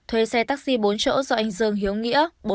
thuê xe taxi bốn chỗ do anh dương hiếu nghĩa